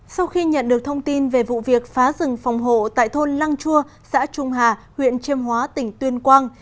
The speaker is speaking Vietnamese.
sau khi nhận được thông tin về vụ việc phá rừng phòng hộ tại thôn lăng chua xã trung hà huyện chiêm hóa tỉnh tuyên quang